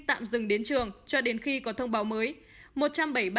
tạm dừng đến trường cho đến khi có thông báo mới